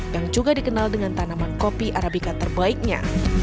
yang juga dikenal dengan tanaman kopi arabika terbaiknya